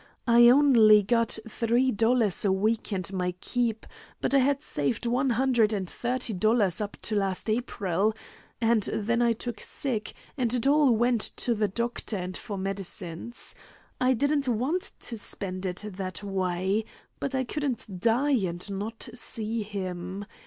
I only got three dollars a week and my keep, but I had saved one hundred and thirty dollars up to last April, and then I took sick, and it all went to the doctor and for medicines. I didn't want to spend it that way, but I couldn't die and not see him.